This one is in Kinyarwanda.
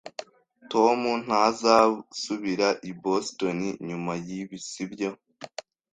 Tom ntazasubira i Boston nyuma yibi, sibyo?